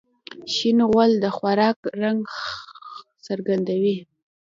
شین غول د خوراک رنګ څرګندوي.